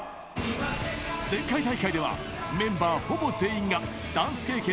前回大会では、メンバーほぼ全員がダンス経験